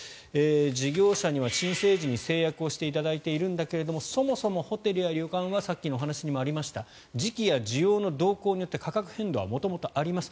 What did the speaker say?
事業者には申請時に誓約をしていただいているんだけどそもそもホテルや旅館はさっきのお話にもありました時期や需要の動向によって価格変動は元々はあります。